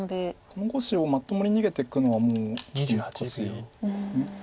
この５子をまともに逃げていくのはちょっと難しいです。